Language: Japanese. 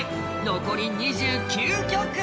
残り２９曲